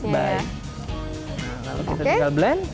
lalu kita tinggal blend